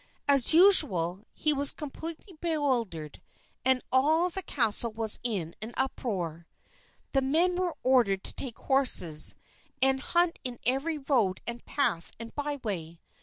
As usual, he was completely bewildered, and all the castle was in an uproar. The men were ordered to take horses, and hunt in every road and path and by way.